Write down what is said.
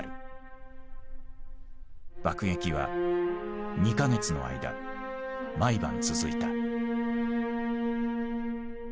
爆撃は２か月の間毎晩続いた。